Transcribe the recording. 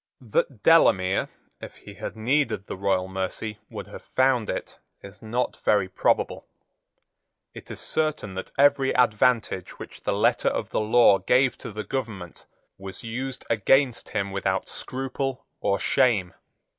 That Delamere, if he had needed the royal mercy, would have found it is not very probable. It is certain that every advantage which the letter of the law gave to the government was used against him without scruple or shame.